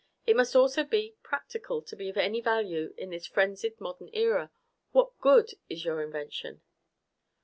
"It must also be practical to be of any value in this frenzied modern era. What good is your invention?"